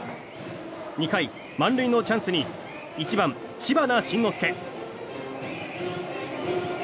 ２回、満塁のチャンスに１番、知花慎之助。